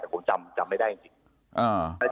แต่ผมจำไม่ได้จริง